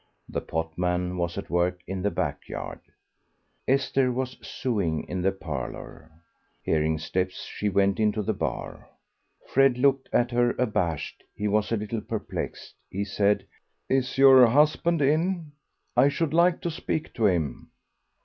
The potman was at work in the backyard, Esther was sewing in the parlour. Hearing steps, she went into the bar. Fred looked at her abashed, he was a little perplexed. He said "Is your husband in? I should like to speak to him."